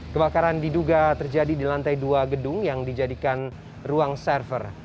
kebakaran diduga terjadi di lantai dua gedung yang dijadikan ruang server